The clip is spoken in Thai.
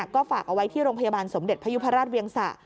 ก็ฝากเอาไว้ที่โรงพยาบาลสมเด็จพยุพราชเวียงสะ